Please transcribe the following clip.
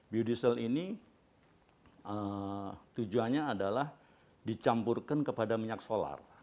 biodiesel ini tujuannya adalah dicampurkan kepada minyak solar